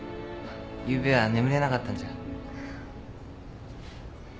ゆうべは眠れなかったんじゃ。